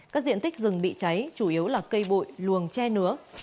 các diện tích rừng bị cháy chủ yếu là cây bụi luồng che nứa